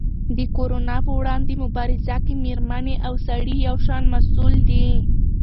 د کرونا په وړاندې مبارزه کې مېرمنې او سړي یو شان مسؤل دي.